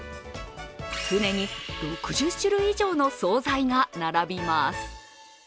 常に６０種類以上の総菜が並びます。